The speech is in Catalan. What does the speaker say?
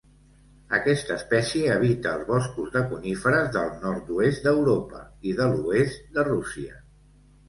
Aquesta espècie habita els boscos de coníferes del nord-oest d'Europa i de l'oest de Rússia.